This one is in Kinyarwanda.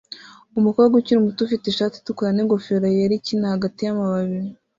Umukobwa ukiri muto ufite ishati itukura n'ingofero yera ikina hagati yamababi